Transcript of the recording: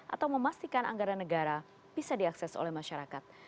atau memastikan anggaran negara bisa diakses oleh masyarakat